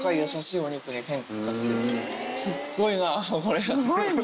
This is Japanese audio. すごいな。